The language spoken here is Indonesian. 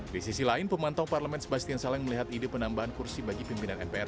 di sisi lain pemantau parlemen sebastian saleng melihat ide penambahan kursi bagi pimpinan mpr